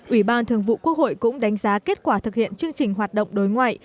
ủy ban thường vụ quốc hội cũng đánh giá kết quả thực hiện chương trình hoạt động đối ngoại